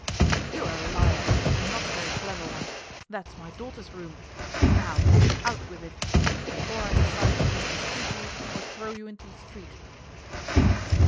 'You are a liar, and not a very clever one. That is my daughter's room. Now out with it, before I decide whether to shoot you or throw you into the street.